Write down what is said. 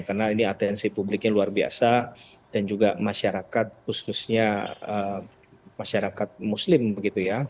karena ini atensi publiknya luar biasa dan juga masyarakat khususnya masyarakat muslim gitu ya